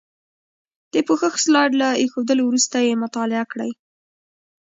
د پوښښ سلایډ له ایښودلو وروسته یې مطالعه کړئ.